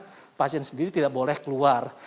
jadi pasien sendiri tidak boleh keluar